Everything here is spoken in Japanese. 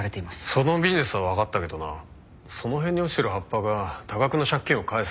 そのビジネスはわかったけどなその辺に落ちてる葉っぱが多額の借金を返す金に化けるか？